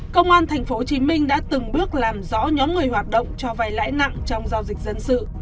công an tp hcm đã từng bước làm rõ nhóm người hoạt động cho vay lãi nặng trong giao dịch dân sự